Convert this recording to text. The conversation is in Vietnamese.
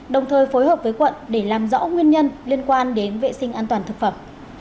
đồng thời phối hợp với quận để làm rõ nguyên nhân liên quan đến vệ sinh an toàn thực phẩm